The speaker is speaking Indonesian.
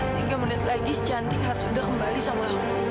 tiga menit lagi sejantik harus udah kembali sama